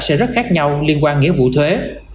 sẽ rất khác nhau liên quan nghĩa vụ thuế